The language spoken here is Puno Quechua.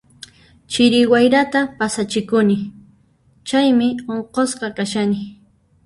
Chiri wayrata pasachikuni, chaymi unqusqa kashani.